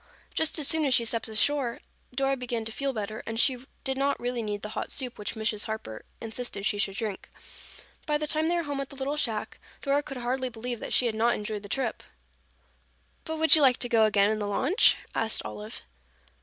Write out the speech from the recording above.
Just as soon as she stepped ashore, Dora began to feel better, and she did not really need the hot soup which Mrs. Harper insisted she should drink. By the time they were home at the little shack, Dora could hardly believe that she had not enjoyed the trip. "But would you like to go again in the launch?" asked Olive.